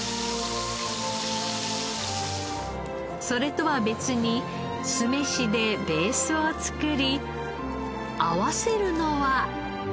それとは別に酢飯でベースを作り合わせるのは。